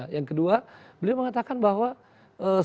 yang kedua beliau mengatakan bahwa saya sangat terbuka